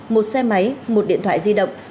một xe máy một điện thoại di động